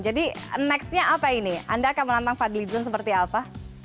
jadi next nya apa ini anda akan menantang fadli zon seperti apa